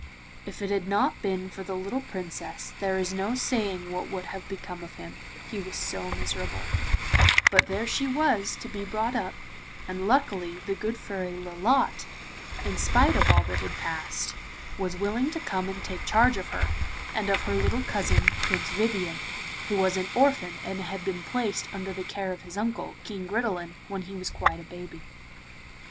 If it had not been for the little Princess there is no saying what would have become of him, he was so miserable, but there she was to be brought up, and luckily the good Fairy Lolotte, in spite of all that had passed, was willing to come and take charge of her, and of her little cousin Prince Vivien, who was an orphan and had been placed under the care of his uncle, King Gridelin, when he was quite a baby.